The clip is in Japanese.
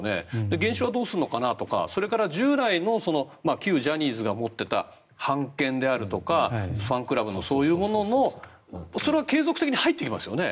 原資はどうするのかなとかそれから、従来の旧ジャニーズが持っていた版権であるとかファンクラブのそういうものもそれは継続的に入ってきますよね。